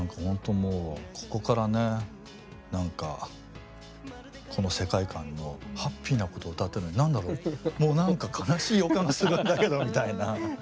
もうここからねなんかこの世界観のハッピーなこと歌ってるのに何だろうもうなんか悲しい予感がするんだけどみたいな。